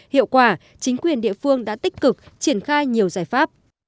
hiệu quả chính quyền địa phương đã tích cực triển khai nhiều giải pháp